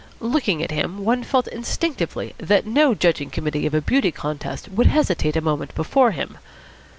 Looking at him, one felt instinctively that no judging committee of a beauty contest would hesitate a moment before him.